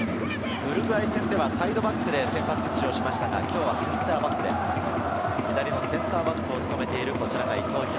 ウルグアイ戦ではサイドバックで先発出場しましたが、今日はセンターバックで、左のセンターバックを務めている伊藤。